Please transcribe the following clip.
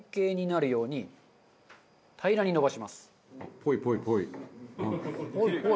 ぽいぽいぽいぽい。